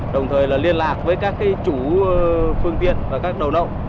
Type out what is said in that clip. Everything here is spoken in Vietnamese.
đồng thời liên lạc với các chủ phương tiện và các đầu nậu